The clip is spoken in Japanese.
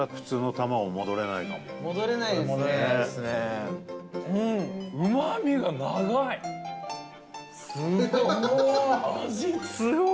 高岸：うまみが長い！